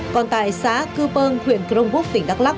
còn tại xá cư pơng huyện crong quốc tỉnh đắk lắc